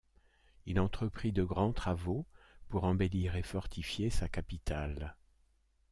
Il entreprit de grands travaux pour embellir et fortifier sa capitale.